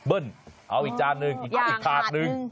เอาอีกจานนึงอีกถาดหนึ่ง